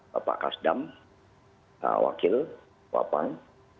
bapak kasdam wakil wapang